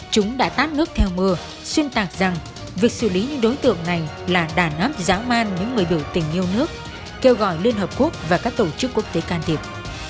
chúng đã tát nước theo mưa xuyên tạc rằng việc xử lý những đối tượng này là đàn áp dã man những người biểu tình yêu nước kêu gọi liên hợp quốc và các tổ chức quốc tế can thiệp